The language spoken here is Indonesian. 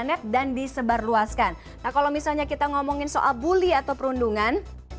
net dan disebarluaskan nah kalau misalnya kita ngomongin soal bully atau perundungan